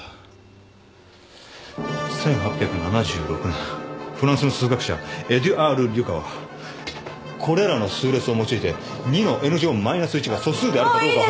１８７６年フランスの数学者エドゥアール・リュカはこれらの数列を用いて２のｎ乗マイナス１が素数であるかどうか。